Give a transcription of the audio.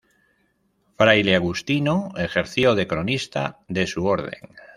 Fraile agustino, ejerció de cronista de su orden.